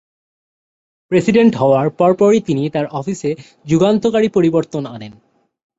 President হওয়ার পরপরই তিনি তার অফিসে যুগান্তকারী পরিবর্তন আনেন।